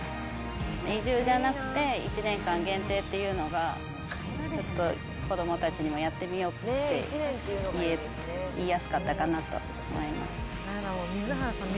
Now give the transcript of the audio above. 移住じゃなくて、１年間限定というのが、ちょっと子どもたちにも、やってみようって言いやすかったかなと思います。